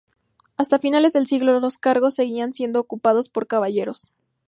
Hasta finales de siglo, los cargos seguían siendo ocupados por caballeros.